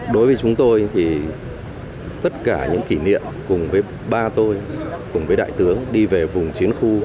đối với chúng tôi thì tất cả những kỷ niệm cùng với ba tôi cùng với đại tướng đi về vùng chiến khu